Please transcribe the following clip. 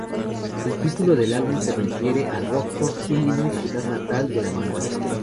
El título del álbum se refiere a Rockford, Illinois, ciudad natal de la banda.